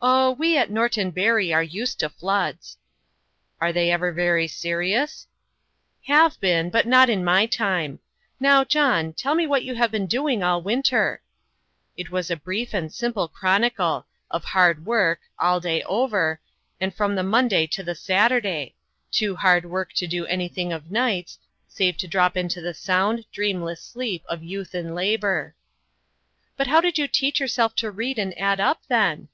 "Oh, we at Norton Bury are used to floods." "Are they ever very serious?" "Have been but not in my time. Now, John, tell me what you have been doing all winter." It was a brief and simple chronicle of hard work, all day over, and from the Monday to the Saturday too hard work to do anything of nights, save to drop into the sound, dreamless sleep of youth and labour. "But how did you teach yourself to read and add up, then?"